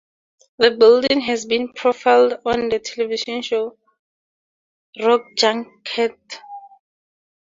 The building has been profiled on the television show, "Rock Junket".